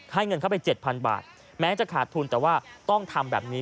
เงินเข้าไป๗๐๐บาทแม้จะขาดทุนแต่ว่าต้องทำแบบนี้